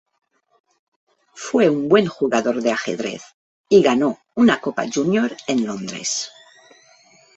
Fue un buen jugador de ajedrez y ganó una copa junior en Londres.